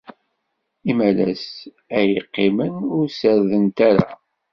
Imalas ay qqiment ur ssardent ara.